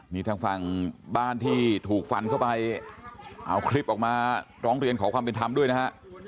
มีทางฝั่งบ้านที่ถูกฟันเข้าไปเอาคลิปออกมาร้องเรียนขอความเป็นธรรมด้วยนะฮะ